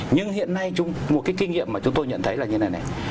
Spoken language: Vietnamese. nhưng hiện nay một cái kinh nghiệm mà chúng tôi nhận thấy là như thế này này